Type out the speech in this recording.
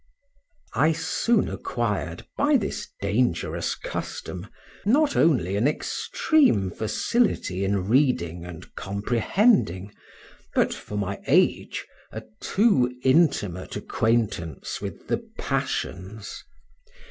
I soon acquired, by this dangerous custom, not only an extreme facility in reading and comprehending, but, for my age, a too intimate acquaintance with the passions.